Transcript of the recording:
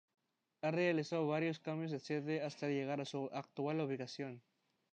Ha realizado varios cambios de sede hasta llegar a su actual ubicación.